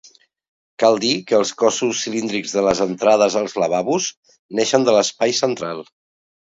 Cal dir que els cossos cilíndrics de les entrades als lavabos neixen de l'espai central.